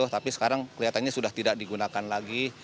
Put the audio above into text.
tapi sekarang kelihatannya sudah tidak digunakan lagi